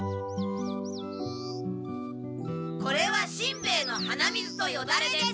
これはしんべヱの鼻水とよだれです。